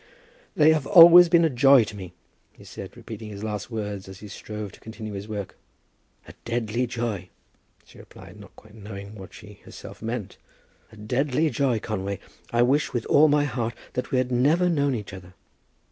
"They have always been a joy to me," he said, repeating his last words as he strove to continue his work. "A deadly joy," she replied, not quite knowing what she herself meant. "A deadly joy, Conway. I wish with all my heart that we had never known each other."